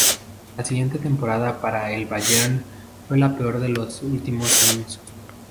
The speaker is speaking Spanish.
La siguiente temporada para el Bayern fue la peor de los últimos años.